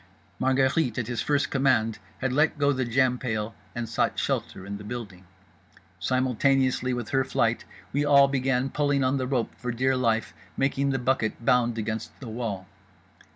Margherite, at his first command, had let go the jam pail and sought shelter in the building. Simultaneously with her flight we all began pulling on the rope for dear life, making the bucket bound against the wall.